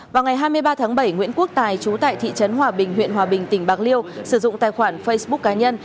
vào ngày hai mươi ba tháng bảy nguyễn quốc tài chú tại thị trấn hòa bình huyện hòa bình tỉnh bạc liêu sử dụng tài khoản facebook cá nhân